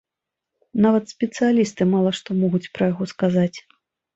Нават спецыялісты мала што могуць пра яго сказаць.